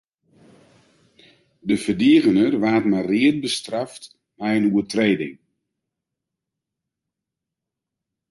De ferdigener waard mei read bestraft nei in oertrêding.